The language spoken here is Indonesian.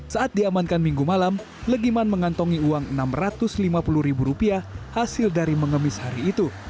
saat diamankan minggu malam legiman mengantongi uang rp enam ratus lima puluh ribu rupiah hasil dari mengemis hari itu